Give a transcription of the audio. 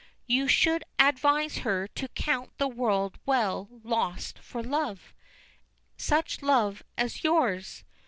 You should advise her to count the world well lost for love such love as yours!